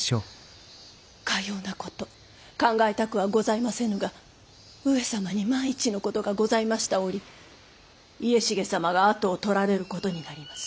かようなこと考えたくはございませぬが上様に万一のことがございました折家重様が跡を取られることになります。